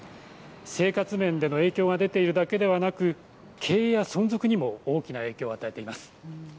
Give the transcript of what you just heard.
生活面での影響が出ているだけではなく、経営や存続にも大きな影響を与えています。